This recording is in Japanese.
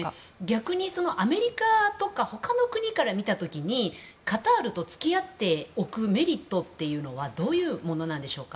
逆にアメリカとかほかの国から見た時にカタールと付き合っておくメリットっていうのはどういうものなんでしょうか。